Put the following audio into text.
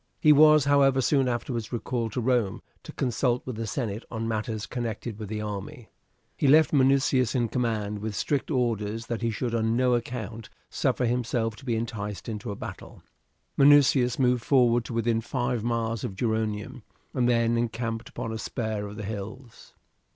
He was, however, soon afterwards recalled to Rome to consult with the senate on matters connected with the army. He left Minucius in command, with strict orders that he should on no account suffer himself to be enticed into a battle. Minucius moved forward to within five miles of Geronium, and then encamped upon a spur of the hills.